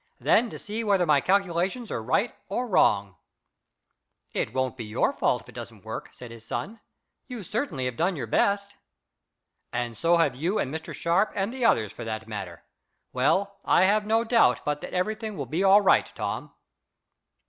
"Then to see whether my calculations are right or wrong." "It won't be your fault if it doesn't work," said his son. "You certainly have done your best." "And so have you and Mr. Sharp and the others, for that matter. Well, I have no doubt but that everything will be all right, Tom."